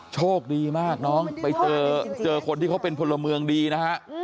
โชคดีมากน้องไปเจอคนที่เขาเป็นพลเมืองดีนะฮะ